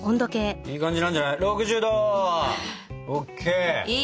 いい感じなんじゃない？